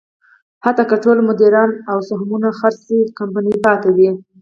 حتی که ټول مدیران او سهمونه خرڅ شي، کمپنۍ پاتې وي.